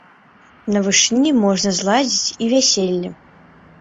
На вышыні можна зладзіць і вяселле.